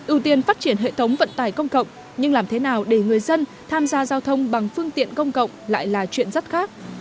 ưu tiên phát triển hệ thống vận tải công cộng nhưng làm thế nào để người dân tham gia giao thông bằng phương tiện công cộng lại là chuyện rất khác